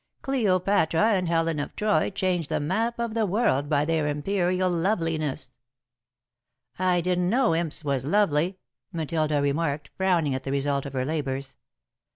"'Cleopatra and Helen of Troy changed the map of the world by their imperial loveliness.'" "I didn't know imps was lovely," Matilda remarked, frowning at the result of her labours.